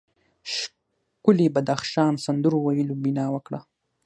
ښکلي بدخشان سندرو ویلو بنا وکړه.